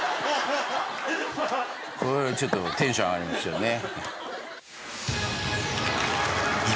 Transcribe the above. こういうのちょっとテンション上がりますよね。